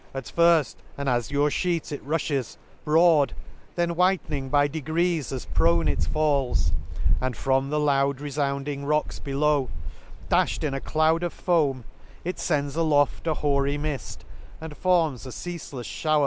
*' At firft, an azure fheet it ruflies, broad ; W Then whitening by degrees as prone it falls, <c And from the loud refounding rocks below, « c Dafhed in a cloud of foam, it fends aloft " A hoary mid, and forms a ceafelefs fhowV.